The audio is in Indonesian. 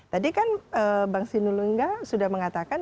tadi kan bang sino lungga sudah mengatakan